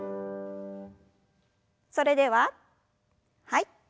それでははい。